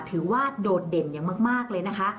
โดดเด่นอย่างมากเลยนะคะ